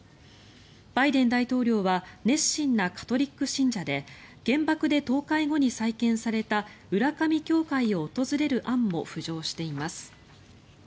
バイデン大統領は熱心なカトリック信者で原爆で倒壊後に再建された浦上教会を訪れる案も浮上しています。